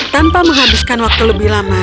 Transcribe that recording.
tanpa menghabiskan waktu lebih lama